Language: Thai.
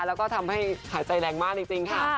แล้วก็ทำให้หายใจแรงมากจริงค่ะ